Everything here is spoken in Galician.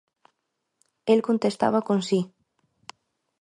El contestaba con 'si'.